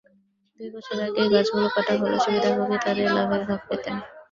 দুই বছর আগেই গাছগুলো কাটা হলে সুবিধাভোগীরা তাঁদের লাভের ভাগ পেতেন।